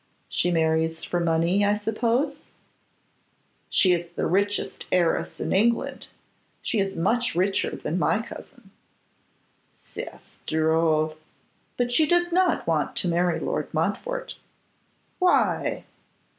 She marries for money, I suppose?' 'She is the richest heiress in England; she is much richer than my cousin.' 'C'est drôle. But she does not want to marry Lord Montfort.' 'Why?